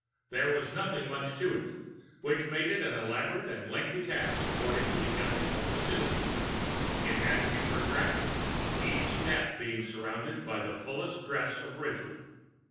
There was nothing much to it which made it an elaborate and lengthy task, according to the ethic of the Citizens; it had to be protracted, each step being surrounded by fullest dress of ritual.